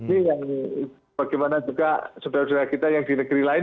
ini yang bagaimana juga saudara saudara kita yang di negeri lain